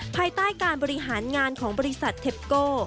ภายใต้การบริหารงานของบริษัทเทปโก้